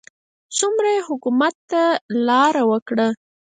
څومره یې حکومت ته لار وکړه.